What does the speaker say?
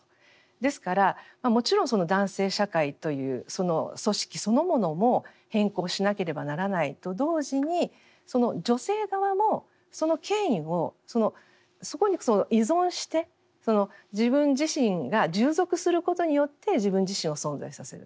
ですからもちろん男性社会という組織そのものも変更しなければならないと同時に女性側もその権威をそこに依存して自分自身が従属することによって自分自身を存在させる。